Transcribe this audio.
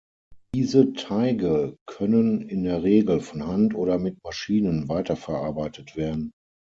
Diese Teige können in der Regel von Hand oder mit Maschinen weiterverarbeitet werden.